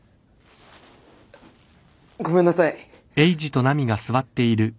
ごめんなさい。